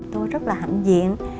tôi rất là hạnh diện